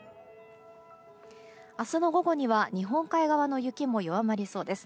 明日の午後には日本海側の雪も弱まりそうです。